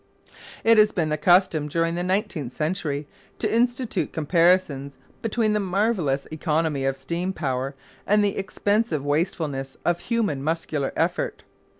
It has been the custom during the nineteenth century to institute comparisons between the marvellous economy of steam power and the expensive wastefulness of human muscular effort.